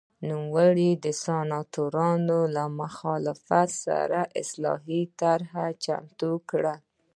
نوموړي د سناتورانو له مخالفت سره اصلاحي طرحه چمتو کړه